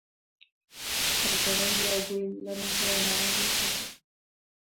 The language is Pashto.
سرګړی یو بوی لرونکی او نرم واخه دی